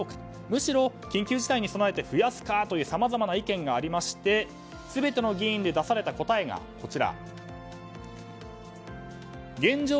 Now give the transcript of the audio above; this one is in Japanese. むしろ緊急事態に備えて増やすかというさまざまな意見がありまして全ての議員で出された答えが現状